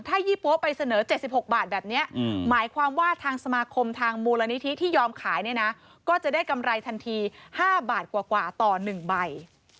ถ้ายี่ปั๊วไปเสนอ๗๖บาทแบบนี้หมายความว่าทางสมาคมทางมูลนิธิที่ยอมขายเนี่ยนะก็จะได้กำไรทันที๕บาทกว่าต่อ๑ใบ